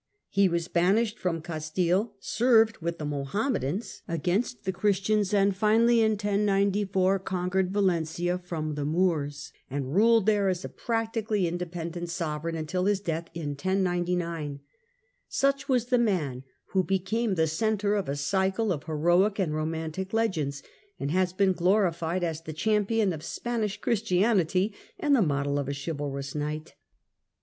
He was banished from Castile, served with the Mohammedans I SPAIN AND PORTUGAL 241 ainst the Christians, and finally, in 1094, conquered Valencia from the Moors, and ruled there as a practi cally independent sovereign till his death in 1099. Such was the man who has become the centre of a cycle of heroic and romantic legends, and has been glorified as the champion of Spanish Christianity and the model of a chivalrous knight.